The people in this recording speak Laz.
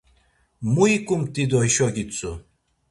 Mu iǩumt̆i do hişo gitzu?